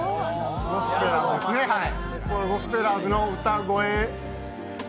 ゴスペラーズの歌声。